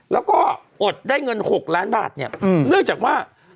แล้วก็อดได้เงิน๖ล้านบาทเนี่ยเนื่องจากว่า